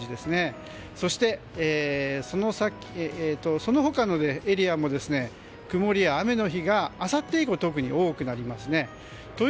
そして、その他のエリアも曇りや雨の日があさって以降、特に多くなります。